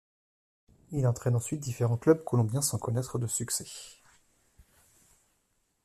Il entraîne ensuite différents clubs colombiens sans connaître de succès.